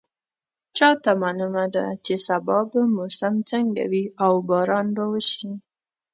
چا ته معلومه ده چې سبا به موسم څنګه وي او باران به وشي